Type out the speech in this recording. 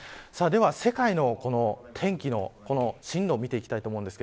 世界の天気の進路を見ていきたいと思います。